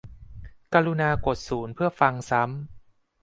กรุณากดศูนย์เพื่อฟังซ้ำ